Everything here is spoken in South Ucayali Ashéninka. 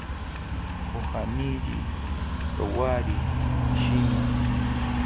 Kojaniri rowari shima